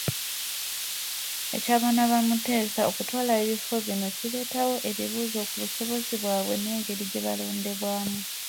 Eky'abaana ba Kuteesa okutwala ebifo bino kireetawo ebibuuzo ku busobozi bwabwe n'engeri gye balondebwamu.